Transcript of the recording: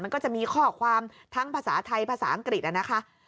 มันก็จะมีข้อความทั้งภาษาไทยภาษาอังกฤษนะคะ